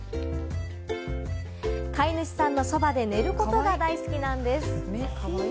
飼い主さんのそばで寝ることが大好きなんです。